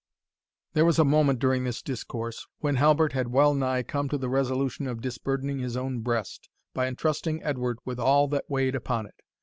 There was a moment during this discourse, when Halbert had well nigh come to the resolution of disburdening his own breast, by intrusting Edward with all that weighed upon it.